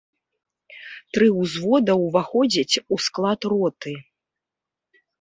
Тры ўзвода ўваходзяць у склад роты.